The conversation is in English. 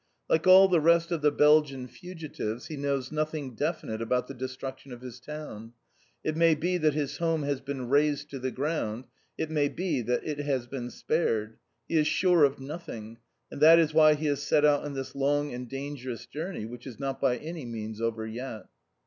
Like all the rest of the Belgian fugitives, he knows nothing definite about the destruction of his town. It may be that his home has been razed to the ground. It may be that it has been spared. He is sure of nothing, and that is why he has set out on this long and dangerous journey, which is not by any means over yet.